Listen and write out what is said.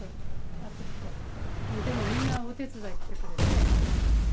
暑くて、でも、みんな、お手伝い来てくれて。